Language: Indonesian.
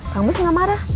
kang mus gak marah